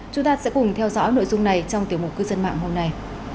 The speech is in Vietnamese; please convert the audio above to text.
chúng ta sẽ cùng theo dõi nội dung này trong tiểu mục cư dân mạng hôm nay